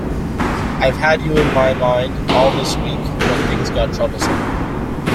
I’ve had you in my mind all this week when things got troublesome.